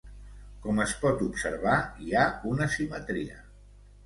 Com es pot observar, hi ha una simetria.